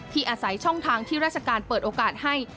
อาศัยช่องทางที่ราชการเปิดโอกาสให้